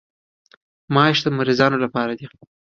ماش د مریضانو لپاره دي.